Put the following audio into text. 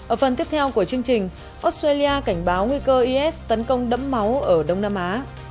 ở phần tiếp theo của chương trình australia cảnh báo nguy cơ is tấn công đẫm máu ở đông nam á